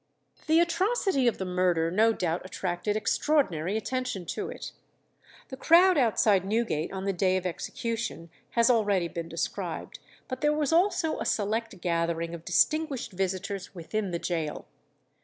The atrocity of the murder no doubt attracted extraordinary attention to it. The crowd outside Newgate on the day of execution has already been described; but there was also a select gathering of distinguished visitors within the gaol.